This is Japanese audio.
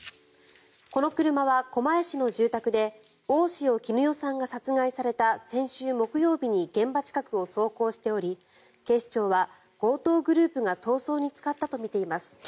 この車は狛江市の住宅で大塩衣與さんが殺害された先週木曜日に現場近くを走行しており警視庁は強盗グループが逃走に使ったとみています。